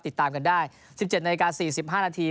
ติดตามกันได้๑๗นาที๔๕นาที